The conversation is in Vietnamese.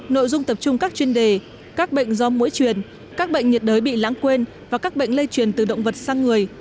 nội dung tập trung các chuyên đề các bệnh do mũi truyền các bệnh nhiệt đới bị lãng quên và các bệnh lây truyền từ động vật sang người